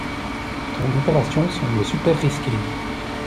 Ton opération semble super risquée.